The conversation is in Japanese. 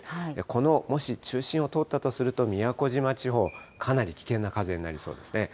このもし中心を通ったとすると、宮古島地方、かなり危険な風になりそうですね。